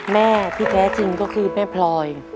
แม่ที่แท้จริงก็คือแม่พลอย